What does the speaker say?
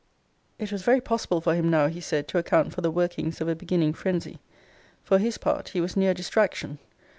It was very possible for him now, he said, to account for the workings of a beginning phrensy. For his part, he was near distraction.